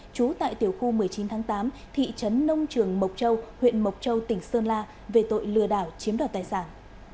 trú tại tiểu khu một mươi chín tháng tám thị trấn nông trường mộc châu huyện mộc châu tỉnh sơn la về tội lừa đảo chiếm đoạt tài sản